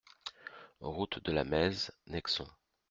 Route de la Meyze, Nexon